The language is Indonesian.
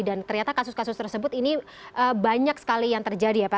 dan ternyata kasus kasus tersebut ini banyak sekali yang terjadi ya pak